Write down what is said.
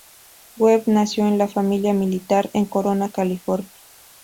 Webb nació en una familia militar en Corona, California.